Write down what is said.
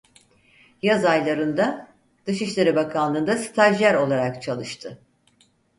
Yaz aylarında Dışişleri Bakanlığı'nda stajyer olarak çalıştı.